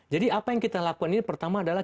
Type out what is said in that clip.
jadi apa yang kita lakukan ini pertama adalah